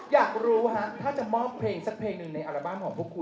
อยากให้ฟังเตอร์ใช่มั้ยคะ